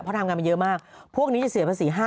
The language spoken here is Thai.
เพราะทำงานมาเยอะมากพวกนี้จะเสียภาษี๕๐๐